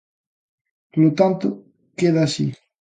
Polo tanto, queda así.